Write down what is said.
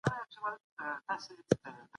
اقتصادي تعاون ژوند ښکلی کوي.